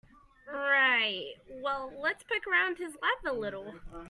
Right, well let's poke around his lab a little.